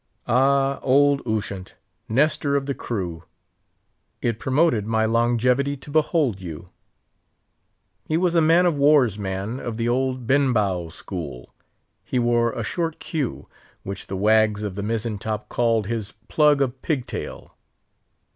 Ah! old Ushant, Nestor of the crew! it promoted my longevity to behold you. He was a man of war's man of the old Benbow school. He wore a short cue, which the wags of the mizzen top called his "plug of pig tail."